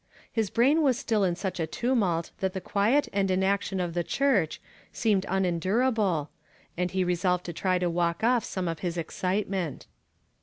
Mis brain was still in such a tumult that tlie quiet and inaction of the church seemed un endurable, and he resolved to try to walk off some of his excitement.